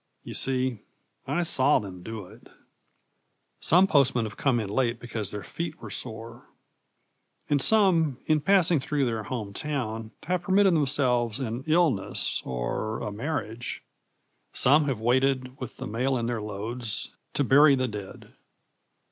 You see, I saw them do it. Some postmen have come in late because their feet were sore. And some, in passing through their home town, have permitted themselves an illness or a marriage. Some have waited, with the mail in their loads, to bury the dead.